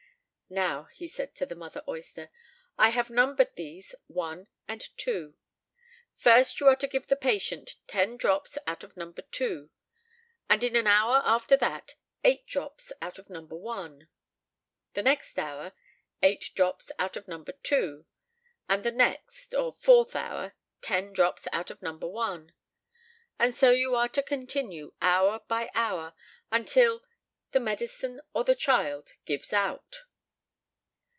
"Now," said he to the mother oyster, "I have numbered these 1 and 2. First, you are to give the patient ten drops out of No. 2, and in an hour after that, eight drops out of No. 1; the next hour, eight drops out of No. 2; and the next, or fourth, hour, ten drops out of No. 1. And so you are to continue hour by hour, until either the medicine or the child gives out."